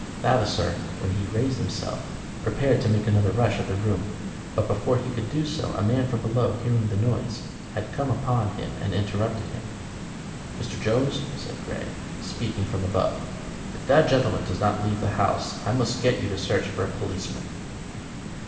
Vavasor, when he raised himself, prepared to make another rush at the room, but before he could do so a man from below, hearing the noise, had come upon him and interrupted him. "Mr. Jones," said Grey, speaking from above, "if that gentleman does not leave the house, I must get you to search for a policeman."